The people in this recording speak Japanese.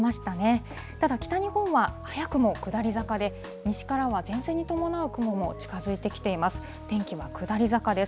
ただ、北日本は早くも下り坂で、西からは前線に伴う雲も近づいてきています。